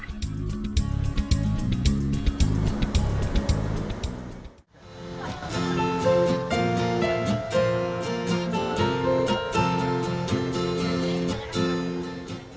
ketika penyelamatnya sudah berhasil penyelamatnya sudah berhasil